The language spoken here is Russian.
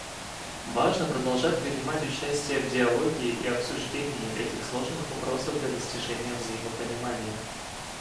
Важно продолжать принимать участие в диалоге и обсуждении этих сложных вопросов для достижения взаимопонимания.